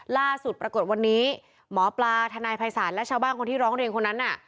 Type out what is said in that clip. ปรากฏวันนี้หมอปลาทนายภัยศาลและชาวบ้านคนที่ร้องเรียนคนนั้นน่ะ